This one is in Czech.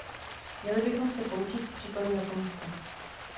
Měli bychom se poučit z případu Japonska.